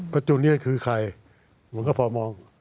พระจุลเนี่ยคือใครหวังก็พอมอง